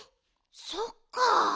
そっか。